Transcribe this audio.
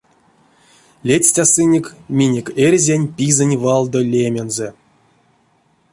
Ледстясынек минек эрзянь пизэнть валдо лемензэ!